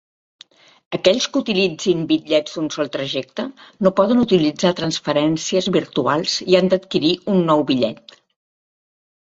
Aquells que utilitzin bitllets d'un sol trajecte no poden utilitzar transferències virtuals i han d'adquirir un nou bitllet.